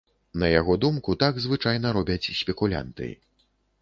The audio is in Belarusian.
На яго думку, так звычайна робяць спекулянты.